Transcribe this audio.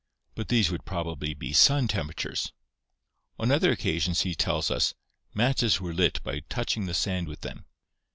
But these would probably be sun temperatures. On other occa sions he tells us 'Matches were lit by touching the sand with them.